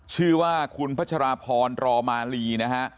ชื่อว่าคุณพระชรพรรมาลี